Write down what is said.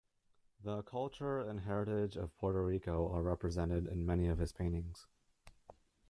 The culture and heritage of Puerto Rico are represented in many of his paintings.